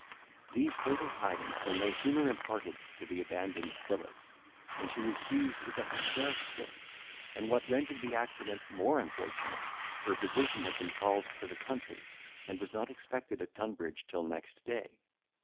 These fatal tidings were no sooner imparted to the abandoned Phillis, than she was seized with an hysteric fit; and, what rendered the accident more unfortunate, her physician had been called to the country, and was not expected at Tunbridge till next day.